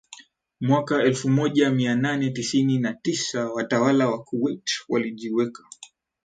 mwaka elfu moja Mia nane tisini na tisa watawala wa Kuwait walijiweka